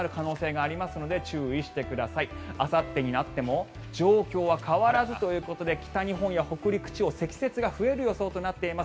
あさってになっても状況は変わらずということで北日本や北陸地方積雪が増える予想となっています。